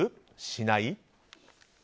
しない？